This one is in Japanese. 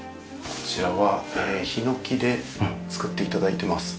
こちらはヒノキで作って頂いてます。